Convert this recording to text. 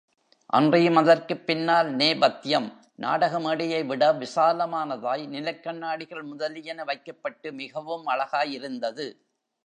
அன்றியும் அதற்குப் பின்னால் நேபத்யம் நாடக மேடையைவிட விசாலாமானதாய், நிலைக்கண்ணாடிகள் முதலியன வைக்கப்பட்டு மிகவும் அழகாயிருந்தது.